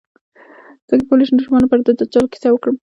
څنګه کولی شم د ماشومانو لپاره د دجال کیسه وکړم